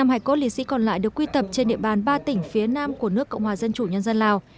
năm hải cốt liệt sĩ còn lại được quy tập trên địa bàn ba tỉnh phía nam của nước cộng hòa dân chủ nhân dân lào